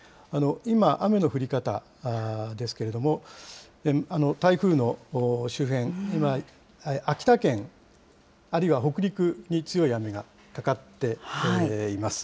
今、雨の降り方ですけれども、台風の周辺、今、秋田県、あるいは北陸に強い雨がかかっています。